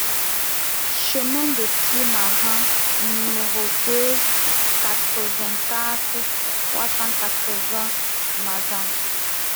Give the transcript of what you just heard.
Chemin de Pied Marin n°deux, quatre-vingt-quatre, trois cent quatre-vingts Mazan